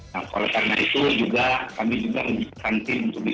nah kalau karena itu juga kami juga lebih berhenti untuk bisa